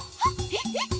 えっえっ！？